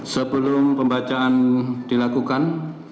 sebelum pembacaan dilakukan